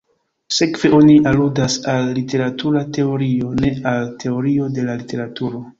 Sekve oni aludas al "literatura teorio", ne al "teorio de la literaturo".